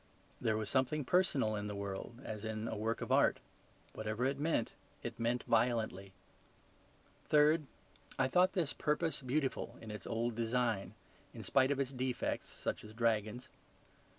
There was something personal in the world, as in a work of art; whatever it meant it meant violently. Third, I thought this purpose beautiful in its old design, in spite of its defects, such as dragons.